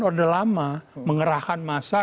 orde lama mengerahkan massa